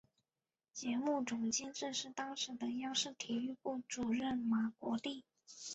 节目总监制是当时的央视体育部主任马国力。